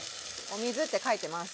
お水って書いてます。